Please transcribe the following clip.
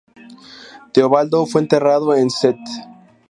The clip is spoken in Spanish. Teobaldo fue enterrado en St.